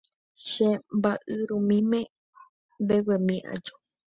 Che mba'yrumýime mbeguemi aju.